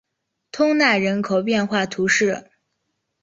通讷人口变化图示